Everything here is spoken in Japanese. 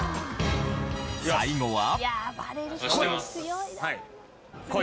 最後は。